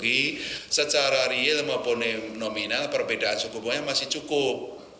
dan yang ketiga secara real maupun nominal perbedaan suku poinnya masih cukup